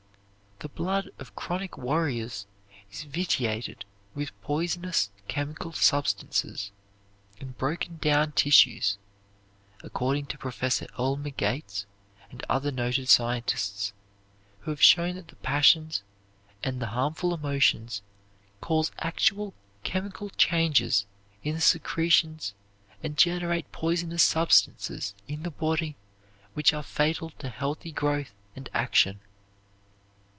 The blood of chronic worriers is vitiated with poisonous chemical substances and broken down tissues, according to Professor Elmer Gates and other noted scientists, who have shown that the passions and the harmful emotions cause actual chemical changes in the secretions and generate poisonous substances in the body which are fatal to healthy growth and action.